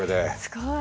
すごい。